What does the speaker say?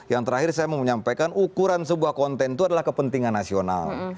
yang terakhir saya mau menyampaikan ukuran sebuah konten itu adalah kepentingan nasional